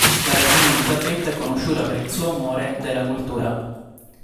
La regina Elisabetta è conosciuta per il suo amore della cultura.